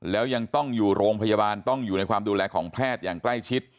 แล้วยังต้องอยู่โรงพยาบาลต้องอยู่ในความดูแลของแพทย์อย่างใกล้ชิด